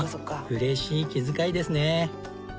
嬉しい気遣いですね。